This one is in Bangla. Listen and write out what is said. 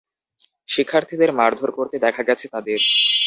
শিক্ষার্থীদের মারধর করতে দেখা গেছে তাঁদের।